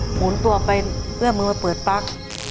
หมุนตัวไปเอื้อมือมาเปิดปั๊ก